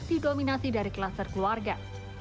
didominasi dari kluster keluarga